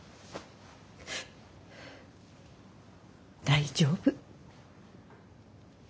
大丈夫。